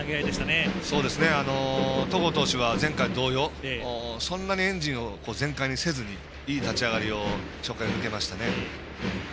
戸郷、選手は前回同様そんなにエンジンを全開にせずにいい立ち上がりをしていました。